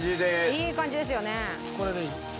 いい感じですよね。